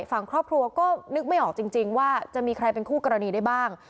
ฝั่งครอบครัวก็นึกไม่ออกจริงว่าจะมีใครเป็นคู่กรณีได้บ้าง